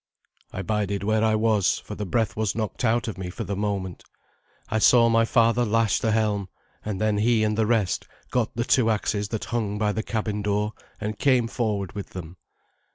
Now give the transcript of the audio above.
I bided where I was, for the breath was knocked out of me for the moment. I saw my father lash the helm, and then he and the rest got the two axes that hung by the cabin door, and came forward with them.